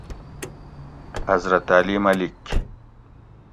حضرت علی ملیک